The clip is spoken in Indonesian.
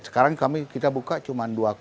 sekarang kami kita buka semuanya bisa masuk